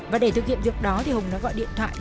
và để thực hiện việc đó thì hùng đã gọi điện thoại